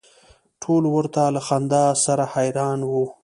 ټول ورته له خنداوو سره حیران و.